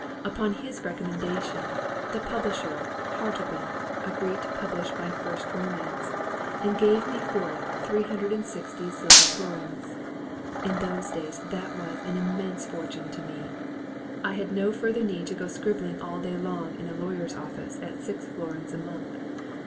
Upon his recommendation, the publisher Hartleben agreed to publish my first romance, and gave me for it 360 silver florins. In those days that was an immense fortune to me. I had no further need to go scribbling all day long in a lawyer's office at six florins a month.